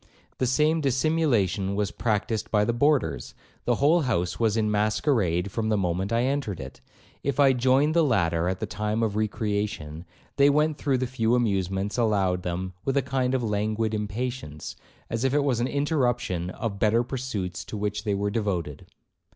The same dissimulation was practised by the boarders; the whole house was in masquerade from the moment I entered it. If I joined the latter at the time of recreation, they went through the few amusements allowed them with a kind of languid impatience, as if it was an interruption of better pursuits to which they were devoted.